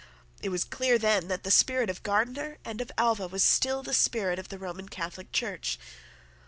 It was clear then that the spirit of Gardiner and of Alva was still the spirit of the Roman Catholic Church.